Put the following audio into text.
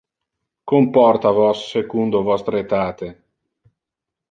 Comporta vos secundo vostre etate!